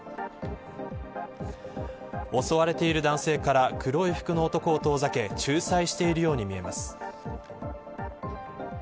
襲われている男性から黒い服の男を遠ざけ仲裁しているように見えます。